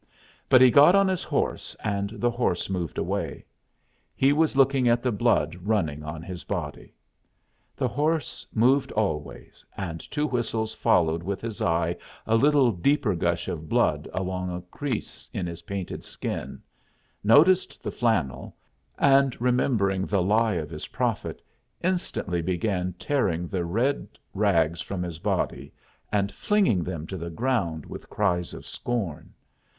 But he got on his horse, and the horse moved away. He was looking at the blood running on his body. The horse moved always, and Two Whistles followed with his eye a little deeper gush of blood along a crease in his painted skin, noticed the flannel, and remembering the lie of his prophet, instantly began tearing the red rags from his body, and flinging them to the ground with cries of scorn.